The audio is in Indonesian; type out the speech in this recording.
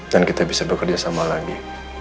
dan kita bisa bekerja sama lagi